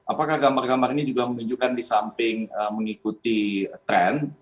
apakah gambar gambar ini juga menunjukkan di samping mengikuti tren